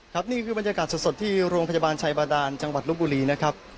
นี่คือบรรยากาศสดที่โรงพยาบาลชัยบาดานจังหวัดลบบุรีนะครับ